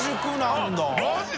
マジで？